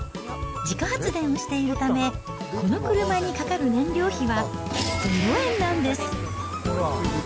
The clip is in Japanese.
自家発電をしているため、この車にかかる燃料費は０円なんです。